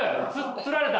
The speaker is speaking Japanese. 釣られた？